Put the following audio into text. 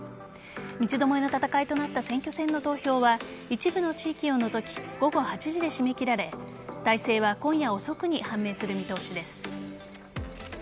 三つどもえの戦いとなった選挙戦の投票は一部の地域を除き午後８時で締め切られ大勢は今夜遅くに判明する見通しです。